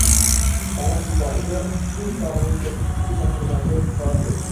Dala shiyponiga kun tog‘ning cho‘qqisiga sakraganda yetib bordik